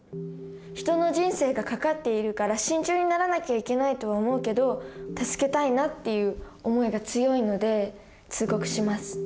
人の人生がかかっているから慎重にならなきゃいけないとは思うけど助けたいなっていう思いが強いので通告します。